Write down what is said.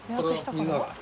△これ？